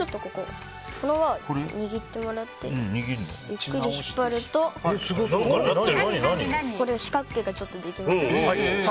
この輪を握ってもらってゆっくり引っ張ると四角形ができます。